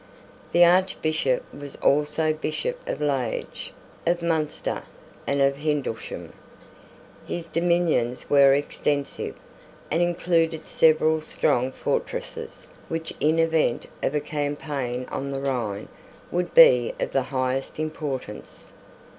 The Archbishop was also Bishop of Liege, of Munster, and of Hildesheim. His dominions were extensive, and included several strong fortresses, which in the event of a campaign on the Rhine would be of the highest importance.